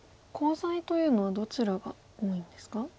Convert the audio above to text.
コウ材というのはどちらが多いんですか？